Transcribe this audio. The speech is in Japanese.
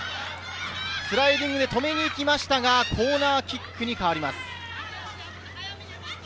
スライディングで止めにいきましたがコーナーキックに変わります。